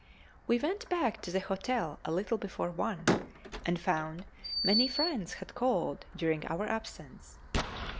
We went back to the hotel a little before one, and found many friends had called during our absence.